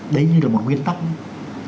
đấy như là một nguyên tắc đấy